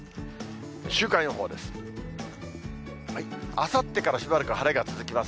週間予報です。